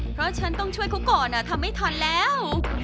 เพราะฉันต้องช่วยเขาก่อนทำไม่ทันแล้ว